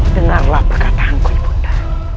dengarlah perkataanku ibunda